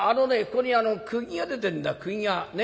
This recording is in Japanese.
ここに釘が出てんだ釘が。ね？